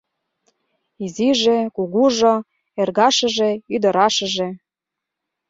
Изиже-кугужо, эргашыже-ӱдырашыже...